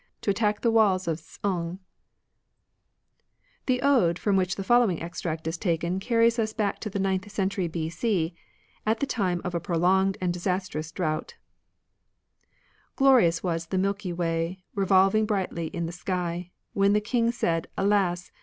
To attack the walls of Ts'ung. God The Ode from which the following sends Famine. extract is taken carries us back to the ninth century B.C., at the time of a prolonged and disastrous drought :— Glorious was the Milky Way, Revolving brightly in the sky, When the king said, Alas !